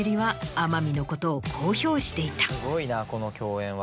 すごいなこの共演は。